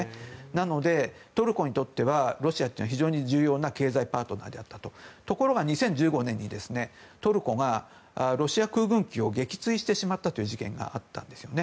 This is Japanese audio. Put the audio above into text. なので、トルコにとってはロシアというのは非常に重要な経済パートナーであったと。ところが２０１５年にトルコがロシア空軍機を撃墜してしまったという事件があったんですね。